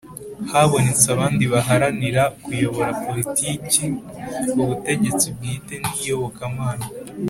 habonetse abandi baharanira kuyobora politiki, ubutegetsi bwite n'iyobokamana